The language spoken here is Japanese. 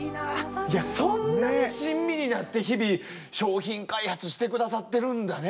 いやそんなに親身になって日々商品開発して下さってるんだね。